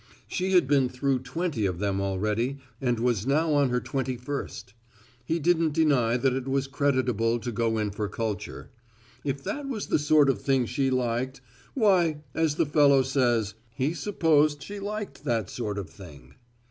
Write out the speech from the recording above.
She had been through twenty of them already and was now on her twenty first. He didn't deny that it was creditable to go in for culture. If that was the sort of thing she liked, why, as the fellow says, he supposed she liked that sort of thing.